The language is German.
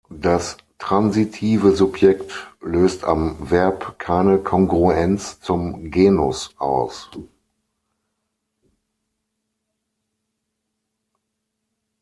Das transitive Subjekt löst am Verb keine Kongruenz zum Genus aus.